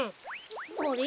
あれ？